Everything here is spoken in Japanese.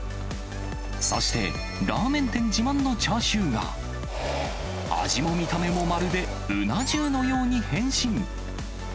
そして、ラーメン店自慢のチャーシューが、味も見た目もまるでうな重のように変身。